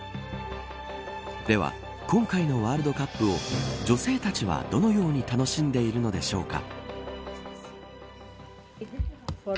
では、今回のワールドカップを女性たちは、どのように楽しんでいるのでしょうか。